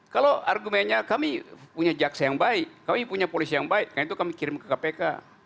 kalau argumennya kami punya jaksa yang baik kami punya polisi yang baik nah itu kami kirim ke kpk